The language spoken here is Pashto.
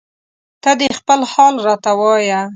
ته دې خپل حال راته وایه